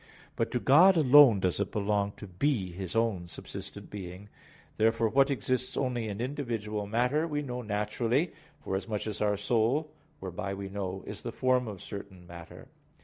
But to God alone does it belong to be His own subsistent being. Therefore what exists only in individual matter we know naturally, forasmuch as our soul, whereby we know, is the form of certain matter.